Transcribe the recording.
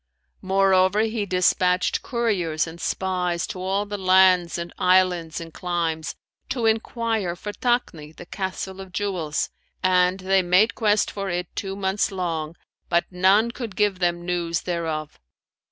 Moreover, he despatched couriers and spies to all the lands and islands and climes, to enquire for Takni, the Castle of Jewels, and they made quest for it two months long, but none could give them news thereof.